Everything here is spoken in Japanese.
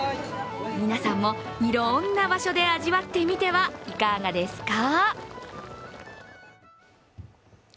皆さんもいろんな場所で味わってみてはいかがですか？